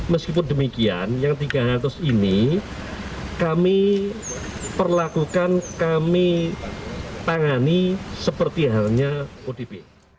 meskipun demikian yang tiga ratus ini kami perlakukan kami tangani seperti halnya odp